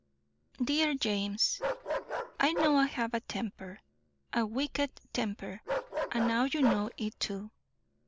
DEAR JAMES: I know I have a temper, a wicked temper, and now you know it too.